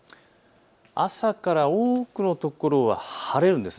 朝から多くの所は晴れるんです。